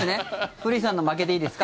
古市さんの負けでいいですか？